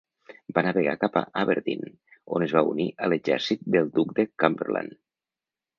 Va navegar cap a Aberdeen on es va unir a l'exèrcit del duc de Cumberland.